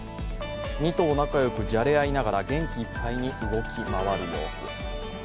２頭仲よく、じゃれ合いながら元気いっぱいに動き回る様子。